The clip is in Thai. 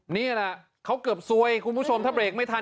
นี่แหละเขาเกือบซวยคุณผู้ชมถ้าเบรกไม่ทัน